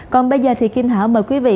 còn bây giờ thì kính hảo mời quý vị